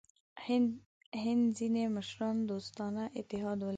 هند ځیني مشران دوستانه اتحاد ولري.